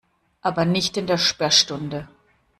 Aber nicht in der Sperrstunde.